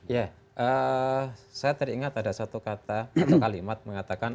ya saya teringat ada satu kata atau kalimat mengatakan